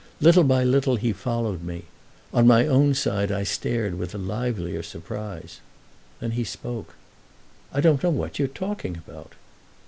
Little by little he followed me; on my own side I stared with a livelier surprise. Then he spoke. "I don't know what you're talking about."